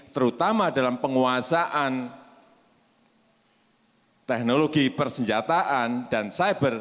terutama dalam penguasaan teknologi persenjataan dan cyber